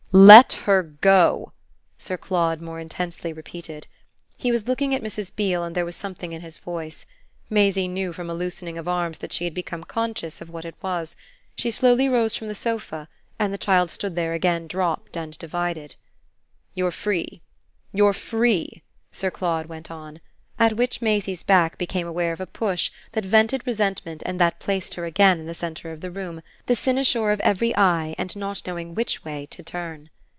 "Let her go!" Sir Claude more intensely repeated. He was looking at Mrs. Beale and there was something in his voice. Maisie knew from a loosening of arms that she had become conscious of what it was; she slowly rose from the sofa, and the child stood there again dropped and divided. "You're free you're free," Sir Claude went on; at which Maisie's back became aware of a push that vented resentment and that placed her again in the centre of the room, the cynosure of every eye and not knowing which way to turn.